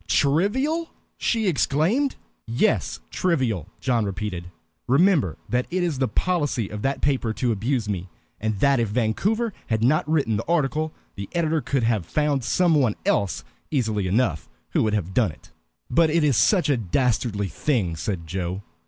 "Trivial!" she exclaimed. "Yes, trivial," John repeated. "Remember that it is the policy of that paper to abuse me, and that if Vancouver had not written the article, the editor could have found some one else easily enough who would have done it." "But it is such a dastardly thing!" said Joe.